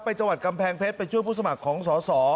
จังหวัดกำแพงเพชรไปช่วยผู้สมัครของสอสอ